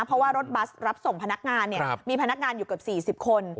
เพราะว่ารถบัสรับส่งพนักงานมีพนักงานอยู่เกือบ๔๐คน